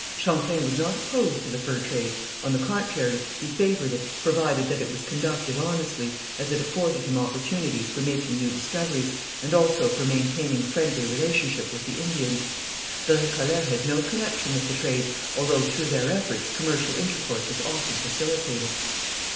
Champlain was not opposed to the fur trade; on the contrary, he favoured it, provided that it was conducted honestly, as it afforded him opportunities for making new discoveries, and also for maintaining friendly relationship with the Indians. The Récollets had no connection with the trade, although through their efforts commercial intercourse was often facilitated.